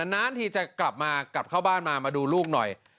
นานทีจะกลับมากลับเข้าบ้านมามาดูลูกหน่อย